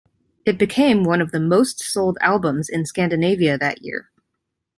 It became one of the most-sold albums in Scandinavia that year.